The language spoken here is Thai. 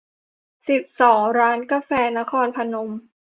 สิบสอง ร้านกาแฟนครพนม